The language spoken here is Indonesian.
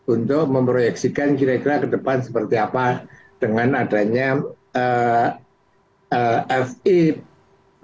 untuk memproyeksikan kira kira ke depan seperti apa dengan adanya fit